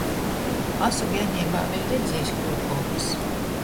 Asu bierneibā vēļ redziejs kūka okys.